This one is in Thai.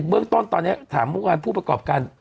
เบื้องต้นตอนนี้ถามผู้ประกอบการ